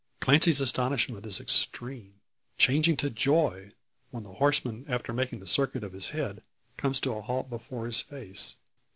Clancy's astonishment is extreme, changing to joy, when the horseman after making the circuit of his head, comes to a halt before his face.